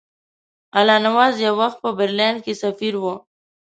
الله نواز یو وخت په برلین کې سفیر وو.